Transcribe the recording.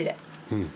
うん。